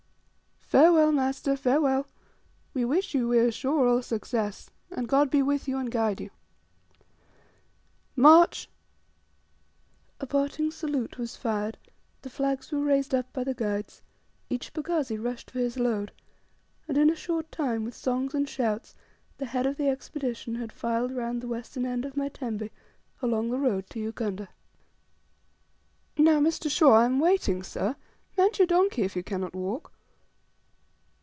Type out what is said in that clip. "Farewell, master, farewell. We wish you, we are sure, all success, and God be with you, and guide you!" "March!" A parting salute was fired; the flags were raised up by the guides, each pagazi rushed for his load, and in a short time, with songs and shouts, the head of the Expedition had filed round the western end of my tembe along the road to Ugunda. "Now, Mr. Shaw, I am waiting, sir. Mount your donkey, if you cannot walk."